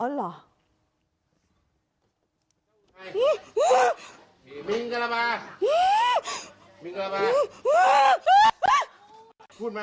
เอ๋๋าหรอ